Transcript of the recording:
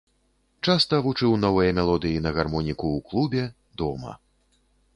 Часта вучыў новыя мелодыі на гармоніку ў клубе, дома.